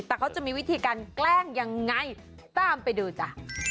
แต่เขาจะมีวิธีการแกล้งยังไงตามไปดูจ้ะ